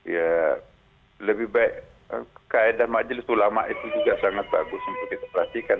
ya lebih baik kaedah majelis ulama itu juga sangat bagus untuk kita perhatikan